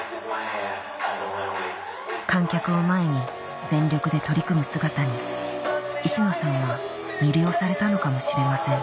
観客を前に全力で取り組む姿に石野さんは魅了されたのかもしれません